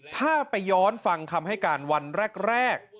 ถ้าไปย้อนฟังคำให้การวันแรก